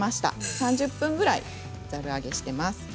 ３０分ぐらいざる上げをしています。